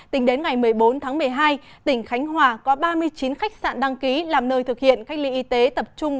tính đến ngày một mươi bốn tháng một mươi hai tỉnh khánh hòa có ba mươi chín khách sạn đăng ký làm nơi thực hiện cách ly y tế tập trung